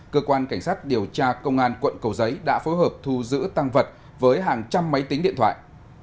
cơ quan cảnh sát điều tra công an quận cầu giấy đã phối hợp thu giữ tăng vật với hàng trăm máy tính điện thoại